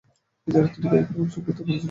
এছাড়াও তিনি গায়ক এবং সঙ্গীত পরিচালক ছিলেন।